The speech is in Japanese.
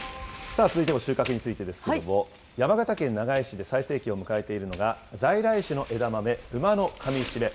さあ、続いても収穫についてですけれども、山形県長井市で最盛期を迎えているのが、在来種の枝豆、馬のかみしめ。